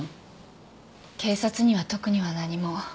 警察には特には何も。